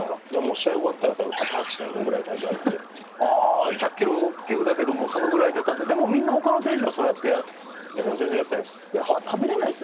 試合終わったら最後１０８．５ぐらい体重あるんでああ１００ｋｇ級だけどもそのぐらいででもみんな他の選手もそうやって全然やってないです